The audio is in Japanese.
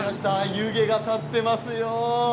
湯気が立っていますよ。